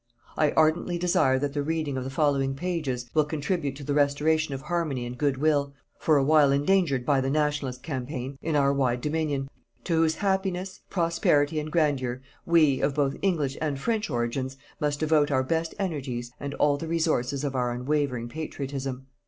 I ardently desire that the reading of the following pages, will contribute to the restoration of harmony and good will, for a while endangered by the Nationalist campaign, in our wide Dominion, to whose happiness, prosperity and grandeur we, of both English and French origins, must devote our best energies and all the resources of our unwavering patriotism.